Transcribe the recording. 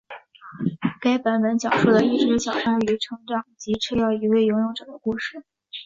该版本讲述了一只小鲨鱼成长及吃掉一位游泳者的故事。